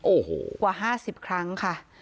โอ้โหกว่า๕๐ครั้งค่ะ